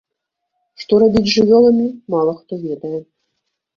Што рабіць з жывёламі, мала хто ведае.